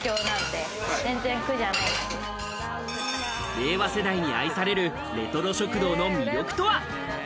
令和世代に愛されるレトロ食堂の魅力とは？